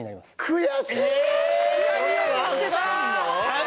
悔しい！